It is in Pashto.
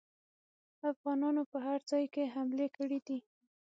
افغانانو په هر ځای کې حملې کړي دي.